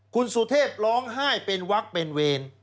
คุณสุเทพร้องไห้เป็นวักเป็นเวร